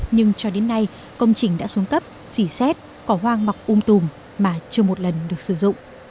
nhưng cho đến nay công trình đã xuống cấp dì xét có hoang mọc um tùm mà chưa một lần được sử dụng